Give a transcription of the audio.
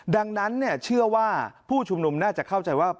ดังนั้นเชื่อว่าผู้ชุมนุมน่าจะเข้าใจว่า